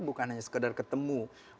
bukan hanya sekedar ketemu